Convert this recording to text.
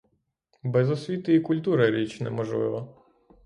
Без освіти і культура річ не можлива.